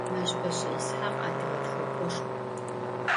Meşbeş'e Yishakh adıge txek'oşşxu.